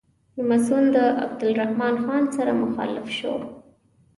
لمسون له عبدالرحمن خان سره مخالف شو.